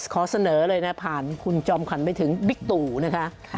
ขอเสนอเลยนะผ่านคุณจอมขวัญไปถึงบิ๊กตู่นะคะ